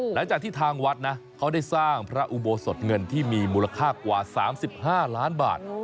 หลังจากที่ทางวัดนะเขาได้สร้างพระอุโบสถเงินที่มีมูลค่ากว่า๓๕ล้านบาท